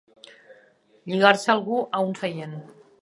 Lligar-se algú a un seient.